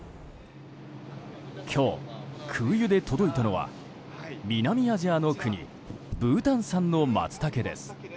今日、空輸で届いたのは南アジアの国ブータン産のマツタケです。